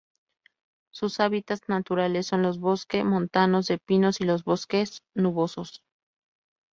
Sus hábitats naturales son los bosque montanos de pinos y los bosques nubosos.